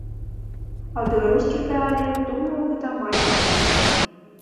А ў беларускіх рэаліях, думаю, гэта амаль немагчыма.